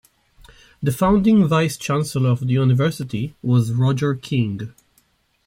The founding Vice Chancellor of the university was Roger King.